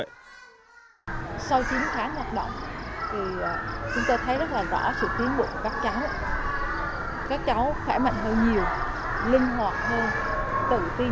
sau chứng khám hoạt động chúng tôi thấy rất rõ